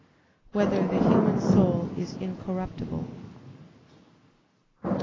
6] Whether the Human Soul Is Incorruptible?